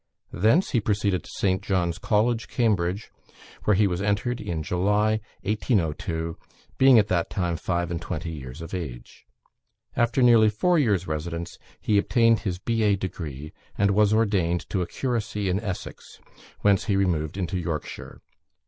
Thence he proceeded to St. John's College, Cambridge, where he was entered in July, 1802, being at the time five and twenty years of age. After nearly four years' residence, he obtained his B.A. degree, and was ordained to a curacy in Essex, whence he removed into Yorkshire.